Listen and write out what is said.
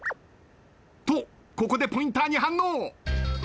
とここでポインターに反応。